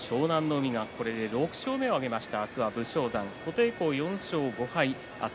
海がこれで６勝目を挙げました。